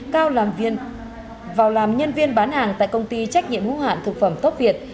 cao làm nhân viên bán hàng tại công ty trách nhiệm ngũ hạn thực phẩm tốc việt